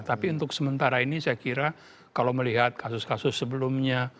tapi untuk sementara ini saya kira kalau melihat kasus kasus sebelumnya